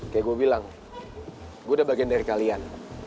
kayak gue bilang gue udah bagian dari kalian